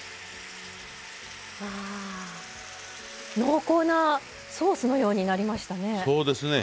濃厚なソースのようになりましたね。